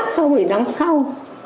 sao phải đóng sau